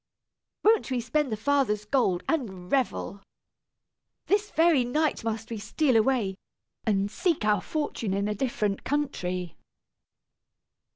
Won't we spend the father's gold, and revel! This very night must we steal away, and seek our fortune in a distant country."